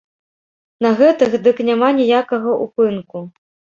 На гэтых дык няма ніякага ўпынку!